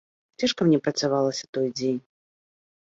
Цяжка мне працавалася той дзень.